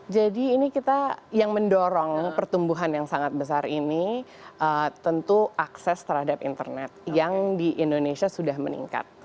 jadi ini kita yang mendorong pertumbuhan yang sangat besar ini tentu akses terhadap internet yang di indonesia sudah meningkat